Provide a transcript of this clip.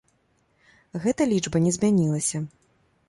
Гэта лічба не змянілася?